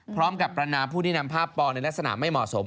พร้อมกับปรณาผู้ที่นำภาพปในลักษณะไม่เหมาะสม